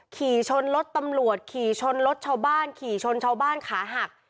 ขี่ชนรถตำรวจขี่ชนรถชาวบ้านขี่ชนชาวบ้านขาหัก